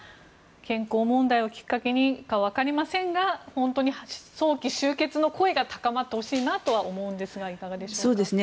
健康問題をきっかけにかわかりませんが本当に早期終結の声が高まってほしいなと思うんですがいかがでしょうか。